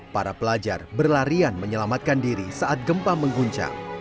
para pelajar berlarian menyelamatkan diri saat gempa mengguncang